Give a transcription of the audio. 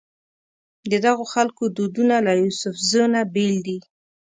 ددغو خلکو دودونه له یوسفزو نه بېل دي.